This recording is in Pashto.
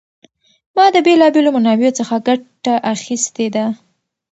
ما د بېلا بېلو منابعو څخه ګټه اخیستې ده.